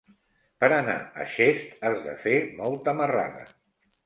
Per anar a Xest has de fer molta marrada.